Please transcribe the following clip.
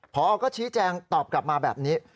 พอก็ชี้แจงตอบกลับมาแบบนี้